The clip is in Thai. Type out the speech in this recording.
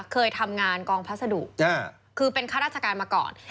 เคยทำงานกองพัสดุคือเป็นข้าราชการมาก่อน